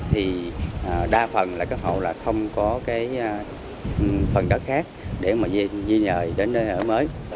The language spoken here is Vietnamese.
thì đa phần là các hộ là không có cái phần đất khác để mà di dời đến nơi ở mới